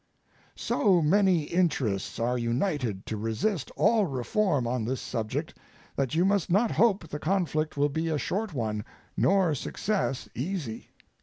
So many interests are united to resist all reform on this subject that you must not hope the conflict will be a short one nor success easy.